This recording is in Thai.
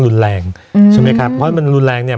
รุนแรงอืมใช่ไหมครับเพราะให้มันรุนแรงเนี่ย